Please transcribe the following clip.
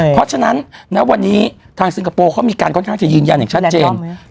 เพราะฉะนั้นณวันนี้ทางซิงคโปร์เขามีการค่อนข้างจะยืนยันอย่างชัดเจน